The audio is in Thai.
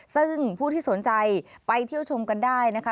ซึ่งผู้ที่สนใจไปเที่ยวชมกันได้นะคะ